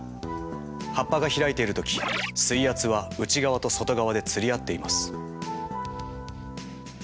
葉っぱが開いている時水圧は内側と外側で釣り合っています。